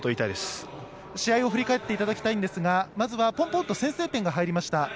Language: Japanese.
◆試合を振り返っていただきたいんですが、まずはポンポンと先制点が入りました。